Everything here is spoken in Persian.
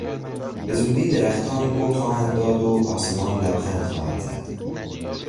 به زودی درختان گل خواهند داد و آسمان لبخند خواهد زد.